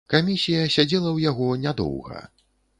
Камісія сядзела ў яго нядоўга.